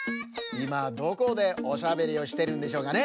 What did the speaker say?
いまどこでおしゃべりをしてるんでしょうかね？